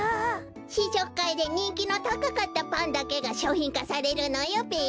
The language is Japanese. ししょくかいでにんきのたかかったパンだけがしょうひんかされるのよべ。